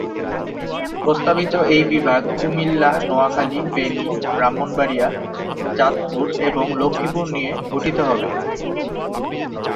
প্রস্তাবিত এই বিভাগ কুমিল্লা, নোয়াখালী, ফেনী, ব্রাহ্মণবাড়িয়া, চাঁদপুর এবং লক্ষ্মীপুর নিয়ে গঠিত হবে।